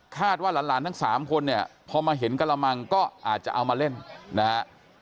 ว่าหลานทั้ง๓คนเนี่ยพอมาเห็นกระมังก็อาจจะเอามาเล่นนะฮะ